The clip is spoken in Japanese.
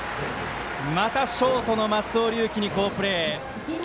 またショートの松尾龍樹に好プレー。